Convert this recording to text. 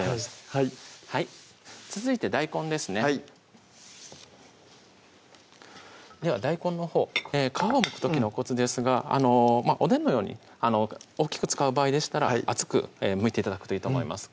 はいはい続いて大根ですねでは大根のほう皮をむく時のコツですがおでんのように大っきく使う場合でしたら厚くむいて頂くといいと思います